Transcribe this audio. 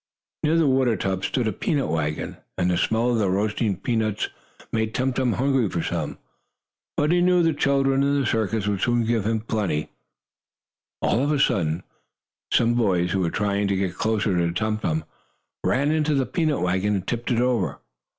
Near the water tub stood a peanut wagon, and the smell of the roasting nuts made Tum Tum hungry for some. But he knew the children in the circus would soon give him plenty. All of a sudden some boys, who were trying to get closer to Tum Tum, ran into the peanut wagon, and tipped it over.